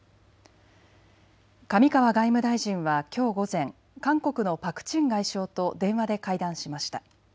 上川外務大臣はきょう午前、韓国のパク・チン外相と電話で会談しました。